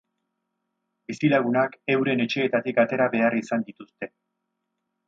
Bizilagunak euren etxeetatik atera behar izan dituzte.